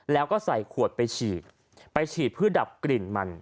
แล้วก็ใส่ขวดไปฉีดไปฉีดเพื่อดับกลิ่นมัน